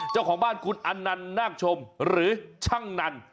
เจ้าของบ้านคุณอันนันนาคชมหรือช่างนัน